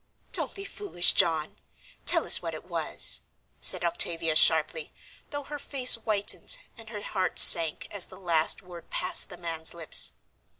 "Don't be foolish, John. Tell us what it was," said Octavia sharply, though her face whitened and her heart sank as the last word passed the man's lips.